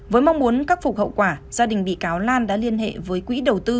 với mong muốn khắc phục hậu quả gia đình bị cáo lan đã liên hệ với quỹ đầu tư